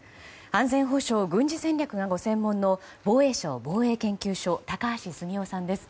安全保障、軍事戦略がご専門の防衛省防衛研究所高橋杉雄さんです。